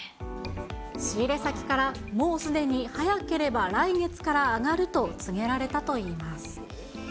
仕入れ先から、もうすでに早ければ来月から上がると告げられたといいます。